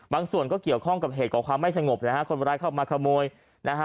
ส่วนก็เกี่ยวข้องกับเหตุก่อความไม่สงบนะฮะคนร้ายเข้ามาขโมยนะฮะ